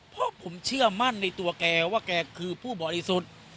เพราะผมเชื่อมั่นในตัวแกว่าแกคือผู้บริสุทธิ์